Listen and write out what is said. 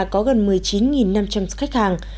có gần một mươi chín năm trăm linh khách hàng